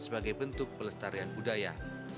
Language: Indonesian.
sebagai bentuk pelestarian budaya